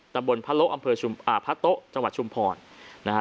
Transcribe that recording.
ตำบลพระโละอำเภอพระโต๊ะจังหวัดชุมพรนะฮะ